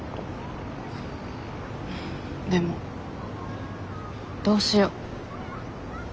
でもどうしよう。